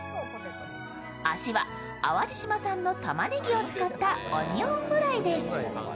足は、淡路島産のたまねぎを使ったオニオンフライです。